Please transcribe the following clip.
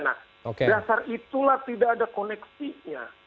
nah dasar itulah tidak ada koneksinya